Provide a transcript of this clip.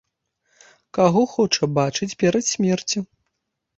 Каго хоча бачыць перад смерцю?